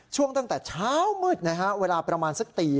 ตั้งแต่เช้ามืดนะฮะเวลาประมาณสักตี